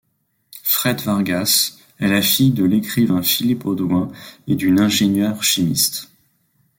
Fred Vargas est la fille de l'écrivain Philippe Audoin et d'une ingénieure chimiste.